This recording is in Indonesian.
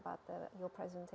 apakah itu menurut anda